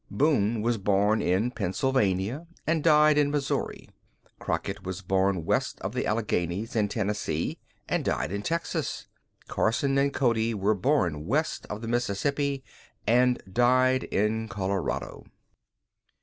Boone was born in Pennsylvania and died in Missouri; Crockett was born west of the Alleghanies, in Tennessee, and died in Texas; Carson and Cody were born west of the Mississippi, and died in Colorado.